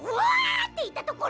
ッていったところ？